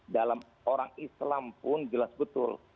dalam orang islam pun jelas betul